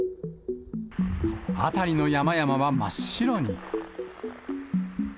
辺りの山々は真っ白に。